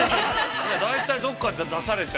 大体どこかで出されちゃう。